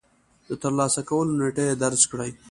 د ترلاسه کولو نېټه يې درج کړئ.